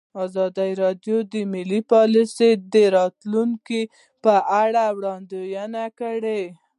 ازادي راډیو د مالي پالیسي د راتلونکې په اړه وړاندوینې کړې.